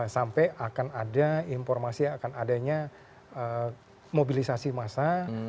sampai akan ada informasi akan adanya mobilisasi massa